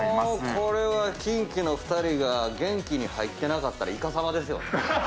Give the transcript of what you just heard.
これはキンキの２人が「元気」に入ってなかったらいかさまですよね。